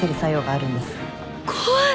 怖い。